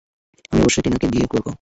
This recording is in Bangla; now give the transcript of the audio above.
আমি অবশ্যই টিনাকে বিয়ে করবো।